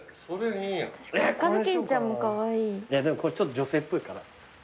でもこれちょっと女性っぽいかな。